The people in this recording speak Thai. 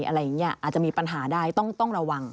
อะไรอย่างนี้อาจจะมีปัญหาได้ต้องระวัง